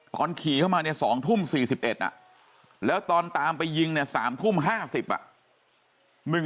ตอนขี่เข้ามาเนี่ย๒ทุ่ม๔๑แล้วตอนตามไปยิงเนี่ย๓ทุ่ม๕๐อ่ะ